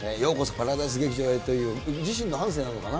パラダイス劇場へという、自身の半生なのかな？